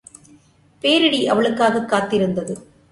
பேரிடி அவளுக்காகக் காத்திருந்தது.